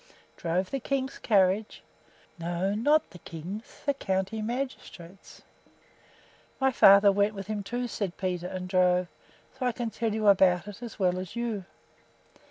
"Drove the king's carriage?" "No, not the king's; the county magistrate's." "My father went with him, too," said Peter, "and drove; so I can tell about it as well as you."